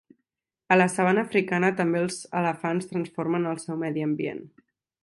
A la sabana africana també els elefants transformen el seu medi ambient.